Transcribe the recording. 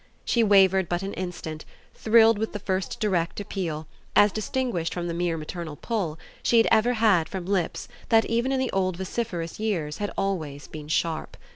She wavered but an instant, thrilled with the first direct appeal, as distinguished from the mere maternal pull, she had ever had from lips that, even in the old vociferous years, had always been sharp.